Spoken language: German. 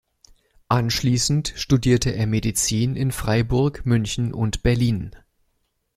Anschließend studierte er Medizin in Freiburg, München und Berlin.